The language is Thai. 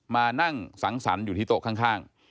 มานั่งสังสรรค์อยู่ที่โต๊ะข้าง